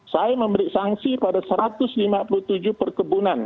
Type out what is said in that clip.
saya memberi sanksi pada satu ratus lima puluh tujuh perkebunan